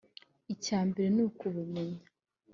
Icya mbere ni ukubumenya